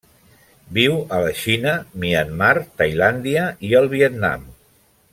Viu a la Xina, Myanmar, Tailàndia i el Vietnam.